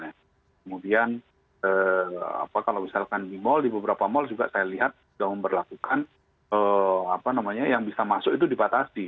kemudian kalau misalkan di mall di beberapa mall juga saya lihat yang bisa masuk itu dipatasi